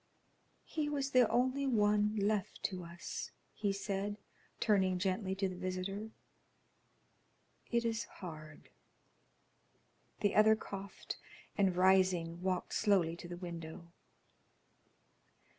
"He was the only one left to us," he said, turning gently to the visitor. "It is hard." The other coughed, and rising, walked slowly to the window.